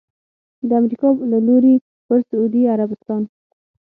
د امریکا له لوري پر سعودي عربستان